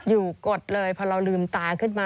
กดเลยพอเราลืมตาขึ้นมา